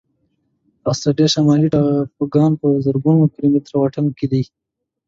د استرالیا شمالي ټاپوګان په زرګونو کيلومتره واټن کې دي.